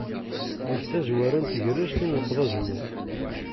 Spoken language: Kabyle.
Deg tazwara n tegrest i nleqqeḍ azemmur.